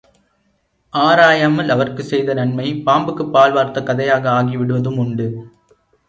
ஆராயாமல் அவர்க்குச் செய்த நன்மை, பாம்புக்குப் பால் வார்த்த கதையாக ஆகிவிடுவதும் உண்டு.